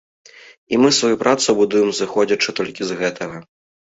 І мы сваю працу будуем зыходзячы толькі з гэтага.